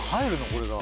これが。